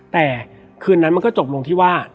แต่คืนนั้นมันก็จบลงที่ว่า